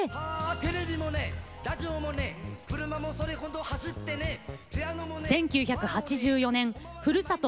「テレビも無エラジオも無エ」「自動車もそれほど走って無エ」１９８４年ふるさと